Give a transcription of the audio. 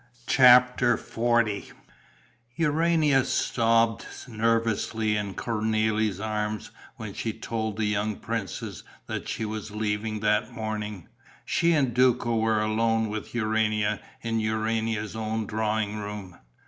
CHAPTER XL Urania sobbed nervously in Cornélie's arms when she told the young princess that she was leaving that morning. She and Duco were alone with Urania in Urania's own drawing room.